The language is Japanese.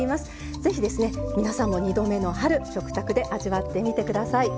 ぜひ皆さんも「２度目の春」食卓で味わってみてください。